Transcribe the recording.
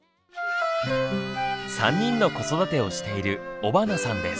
３人の子育てをしている尾花さんです。